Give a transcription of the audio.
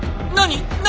何？